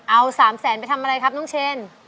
เอา๓แสนไปทำอะไรครับน้องเชน